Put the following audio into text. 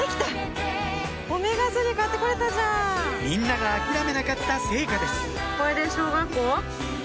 みんなが諦めなかった成果です